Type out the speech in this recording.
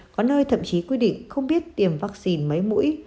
có nơi thậm chí quy định không biết tiêm vaccine mấy mũi